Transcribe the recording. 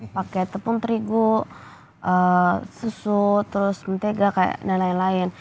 pakai tepung terigu susu terus mentega dan lain lain